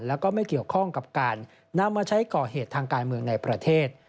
แล้วก็ไม่เกี่ยวข้องกับการนำมาใช้ก่อเหตุทางการเมืองในประเทศ